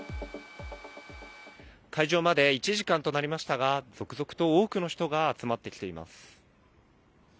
開場まで１時間となりましたが、続々と多くの人が集まってきています。